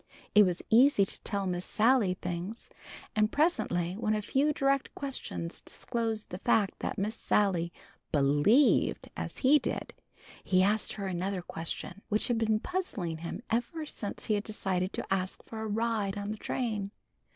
It was easy to tell Miss Sally things, and presently when a few direct questions disclosed the fact that Miss Sally "bleeved" as he did, he asked her another question, which had been puzzling him ever since he had decided to ask for a ride on the train.